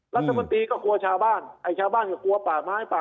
รัฐบาลมนตรีก็กลัวชาติบ้านให้กลัวป่าไม้ป่ะ